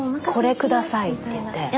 これくださいって言って？